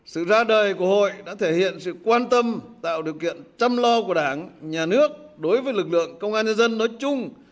sự ra đời của hội đã thể hiện sự quan tâm tạo điều kiện chăm lo của đảng nhà nước đối với lực lượng công an nhân dân nói chung